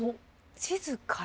地図から。